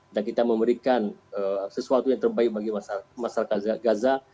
dan kita memberikan sesuatu yang terbaik bagi masyarakat gaza